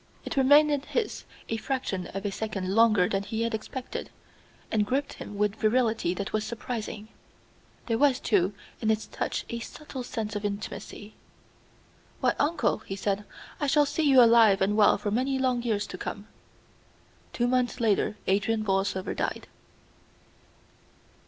It remained in his a fraction of a second longer than he had expected, and gripped him with a virility that was surprising. There was, too, in its touch a subtle sense of intimacy. "Why, uncle!" he said, "I shall see you alive and well for many long years to come." Two months later Adrian Borlsover died.